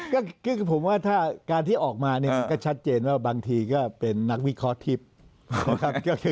ก็คือผมว่าการที่ออกมาก็ชัดเจนว่าบางทีก็เป็นนักวิเคราะห์ทิพย์